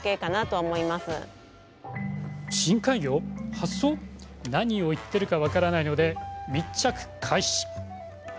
発送？何を言っているか分からないので密着開始。